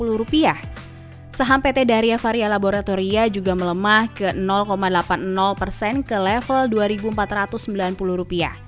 sehingga saham pt soho global health tbk menurun ke delapan puluh persen ke level rp dua empat ratus sembilan puluh